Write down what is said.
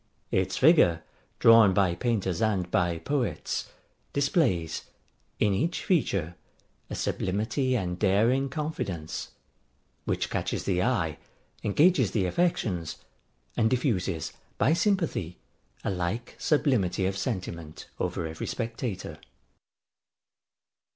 Its figure, drawn by painters and by poets, displays, in each feature, a sublimity and daring confidence; which catches the eye, engages the affections, and diffuses, by sympathy, a like sublimity of sentiment over every spectator.